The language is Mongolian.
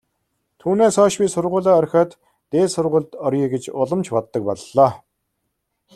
Түүнээс хойш би сургуулиа орхиод дээд сургуульд оръё гэж улам ч боддог боллоо.